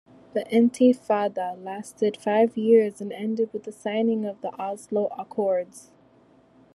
The Intifada lasted five years and ended with the signing of the Oslo Accords.